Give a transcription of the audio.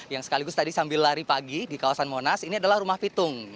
yang sekaligus tadi sambil lari pagi di kawasan monas ini adalah rumah pitung